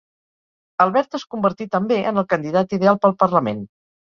Albert es convertí també en el candidat ideal pel Parlament.